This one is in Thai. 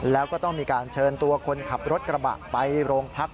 แล้วก็ต้องมีการเชิญตัวคนขับรถกระบะไปโรงพัก